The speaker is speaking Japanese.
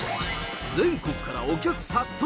全国からお客殺到！